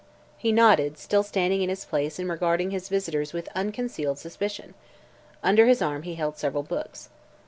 He nodded, still standing in his place and regarding his visitors with unconcealed suspicion. Under his arm he held several books.